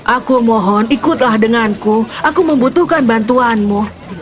aku mohon ikutlah denganku aku membutuhkan bantuanmu